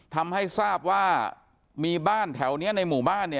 ทำให้ทราบว่ามีบ้านแถวนี้ในหมู่บ้าน